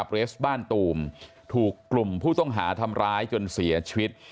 เรสบ้านตูมถูกกลุ่มผู้ต้องหาทำร้ายจนเสียชีวิต